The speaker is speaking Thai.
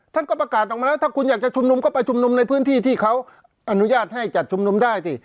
ท่านก็ประกาศออกมาแล้วถ้าคุณอยากจะชุมนุมก็ไปชุมนุมในพื้นที่ที่เขาอนุญาตให้จัดชุมนุมได้สิ